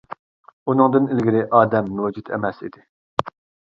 ئۇنىڭدىن ئىلگىرى ئادەم مەۋجۇت ئەمەس ئىدى.